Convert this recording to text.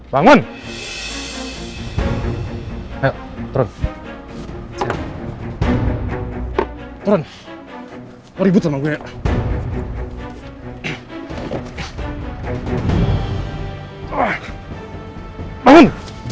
bangun woy bangun